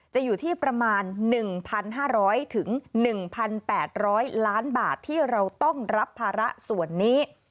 อยู่ที่ประมาณ๑๕๐๐๑๘๐๐ล้านบาทที่เราต้องรับภาระส่วนนี้